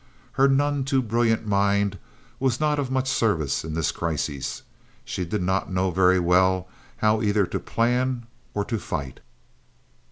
Her none too brilliant mind was not of much service in this crisis. She did not know very well how either to plan or to fight.